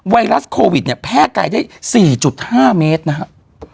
ไวรัสโควิดเนี่ยแพร่ไกลได้๔๕เมตรนะครับ